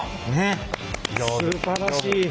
すばらしい。